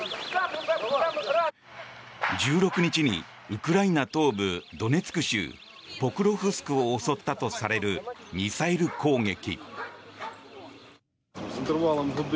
１６日に、ウクライナ東部ドネツク州ポクロフスクを襲ったとされるミサイル攻撃。